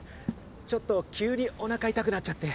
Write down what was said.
ちょっと急にお腹痛くなっちゃって。